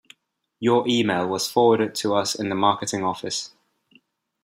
Your email was forwarded to us in the marketing office.